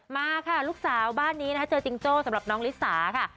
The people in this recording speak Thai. มาค่ะลูกสาวบ้านนี้นะคะเจอจิงโจ้สำหรับน้องลิสาค่ะ